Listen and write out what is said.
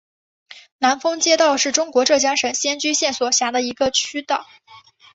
南峰街道是中国浙江省仙居县所辖的一个街道。